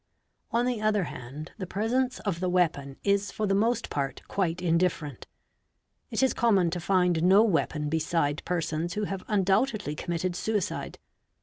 i On the other hand, the presence of the weapon is for the most part 'a nite indifferent ; it is common to find no weapon beside persons who ve undoubtedly committed suicide.